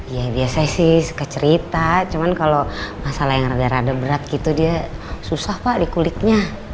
ya biasanya sih suka cerita cuman kalau masalah yang rada rada berat gitu dia susah pak di kulitnya